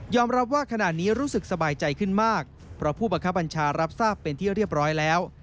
รับว่าขณะนี้รู้สึกสบายใจขึ้นมากเพราะผู้บังคับบัญชารับทราบเป็นที่เรียบร้อยแล้ว